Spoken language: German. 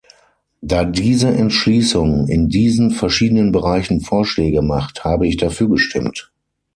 Da diese Entschließung in diesen verschiedenen Bereichen Vorschläge macht, habe ich dafür gestimmt.